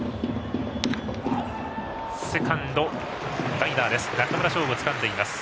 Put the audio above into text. セカンドライナーです。